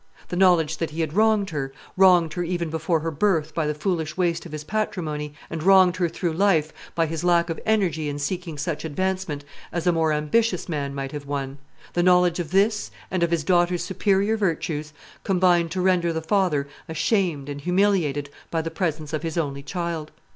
The knowledge that he had wronged her, wronged her even before her birth by the foolish waste of his patrimony, and wronged her through life by his lack of energy in seeking such advancement as a more ambitious man might have won, the knowledge of this, and of his daughter's superior virtues, combined to render the father ashamed and humiliated by the presence of his only child.